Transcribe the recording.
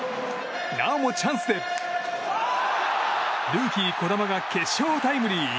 なおもチャンスでルーキー児玉が決勝タイムリー！